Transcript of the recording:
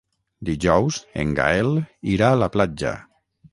Dijous en Gaël irà a la platja.